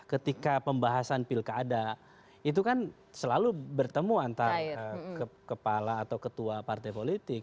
ketika pembahasan pilkada itu kan selalu bertemu antara kepala atau ketua partai politik